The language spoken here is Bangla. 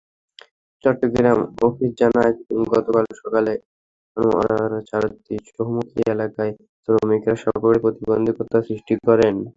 চট্টগ্রাম অফিসজানায়, গতকাল সকালে আনোয়ারার চাতরী চৌমুহনী এলাকায় শ্রমিকেরা সড়কে প্রতিবন্ধকতা সৃষ্টি করেন।